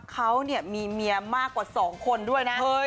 เขามีเมียมากกว่า๒คนด้วยนะ